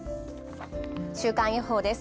週間予報です。